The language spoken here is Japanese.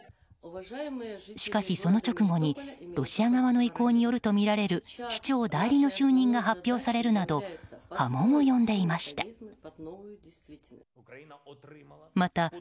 しかし、その直後にロシア側の意向によるとみられる市長代理の就任が発表されるなど波紋を呼んでいました。